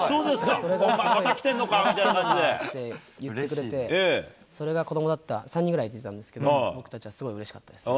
それがすごい、また来てんのかって言ってくれて、それが子どもだった、３人ぐらいで行ってたんですけど、僕たちはすごいうれしかったです。